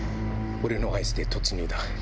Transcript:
俺の合図で突入だ。